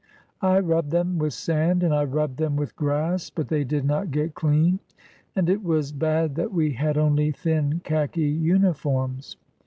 I rubbed them with sand and I rubbed them with grass, but they did not get clean. And it was bad that we had only thin Khaki uniforms.